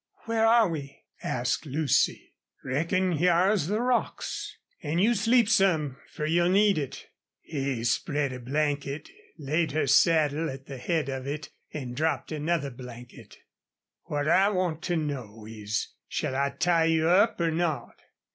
"Where are we?" asked Lucy. "Reckon hyar's the rocks. An' you sleep some, fer you'll need it." He spread a blanket, laid her saddle at the head of it, and dropped another blanket. "What I want to know is shall I tie you up or not?"